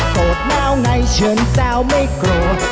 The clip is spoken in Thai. โสดแล้วไงเชื่อนแซวไม่โกรธ